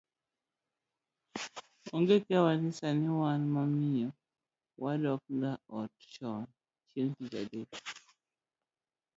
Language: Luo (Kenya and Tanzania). Onge kiawa ni sani wan gi mamiyo wadokga ot chon chieng' tich adek